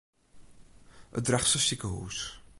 It Drachtster sikehûs.